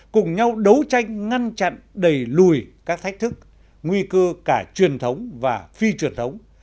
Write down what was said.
cùng nhau đấu tranh ngăn chặn đẩy lùi các thách thức nguy cơ cả truyền thống và phi truyền thống